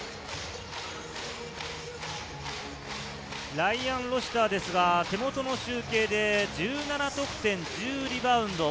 ライアン・ロシターですが、手元の集計で１７得点１０リバウンド。